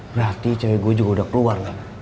berarti cewe gue juga udah keluar gak